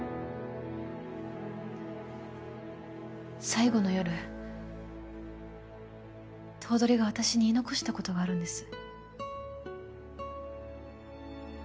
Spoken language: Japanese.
最後の夜頭取が私に言い残した事があるんです。